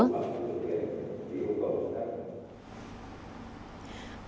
công an đồng nai